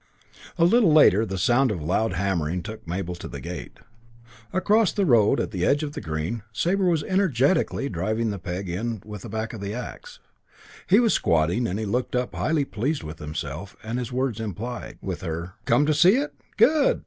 A little later the sound of loud hammering took Mabel to the gate. Across the road, at the edge of the Green, Sabre was energetically driving in the peg with the back of the axe. He was squatting and he looked up highly pleased with himself and, his words implied, with her. "Come to see it? Good!